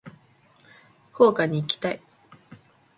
福岡に行きたい。